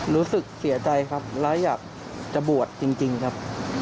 รู้สึกเสียใจครับและอยากจะบวชจริงครับ